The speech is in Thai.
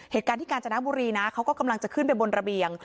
เหตุการณ์ที่กาญจนบุรีนะเขาก็กำลังจะขึ้นไปบนระเบียง